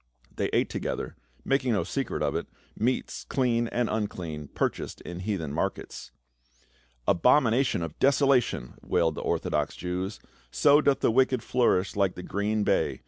They ate together — making no secret of it — meats clean and unclean, purchased in the heathen markets. "Abomination of desolation !" wailed the orthodox Jews. " So doth the wicked flourish like the green bay !